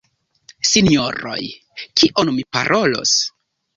Sinjoroj; kion mi parolos?